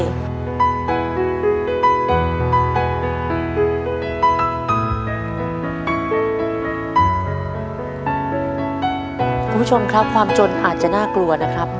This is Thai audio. คุณผู้ชมครับความจนอาจจะน่ากลัวนะครับ